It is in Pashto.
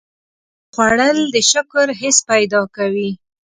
خوړل د شکر حس پیدا کوي